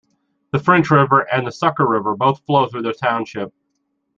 The French River and the Sucker River both flow through the township.